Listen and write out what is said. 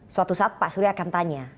suatu saat pak surya akan tanya